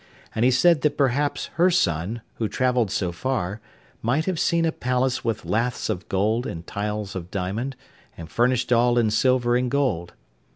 And he said that perhaps her son, who travelled so far, might have seen a palace with laths of gold and tiles of diamond, and furnished all in silver and gold.